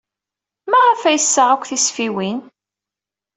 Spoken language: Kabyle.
Maɣef ay yessaɣ akk tisfiwin?